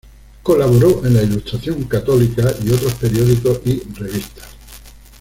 Colaboró en la Ilustración Católica y otros periódicos y revistas.